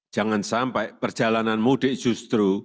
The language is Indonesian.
jangan sampai perjalanan mudik justru